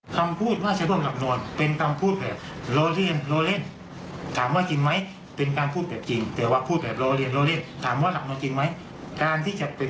คือปฏิบัติเข้าที่อยู่เหมือน๒คนจะรับแบบท้านชูเสาร์ไหม